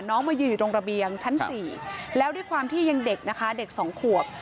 มายืนอยู่ตรงระเบียงชั้น๔แล้วด้วยความที่ยังเด็กนะคะเด็ก๒ขวบ